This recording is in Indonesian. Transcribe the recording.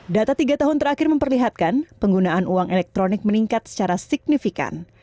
data tiga tahun terakhir memperlihatkan penggunaan uang elektronik meningkat secara signifikan